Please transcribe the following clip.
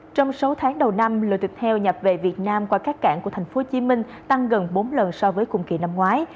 trong sáu tháng đầu năm lượng thịt heo nhập về việt nam qua các cảng của tp hcm tăng gần bốn lần so với cùng kỳ năm ngoái